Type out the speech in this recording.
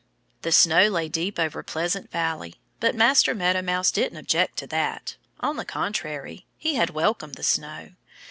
The snow lay deep over Pleasant Valley. But Master Meadow Mouse didn't object to that. On the contrary, he had welcomed the snow.